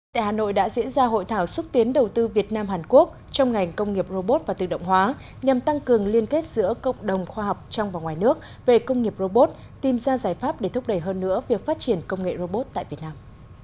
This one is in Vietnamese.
tại hà nội đã diễn ra hội thảo xúc tiến đầu tư việt nam hàn quốc trong ngành công nghiệp robot và tự động hóa nhằm tăng cường liên kết giữa cộng đồng khoa học trong và ngoài nước về công nghiệp robot tìm ra giải pháp để thúc đẩy hơn nữa việc phát triển công nghệ robot tại việt nam